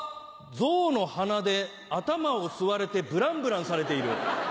ゾウの鼻で頭を吸われてブランブランされている。